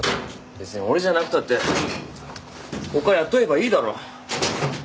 別に俺じゃなくたってほか雇えばいいだろ。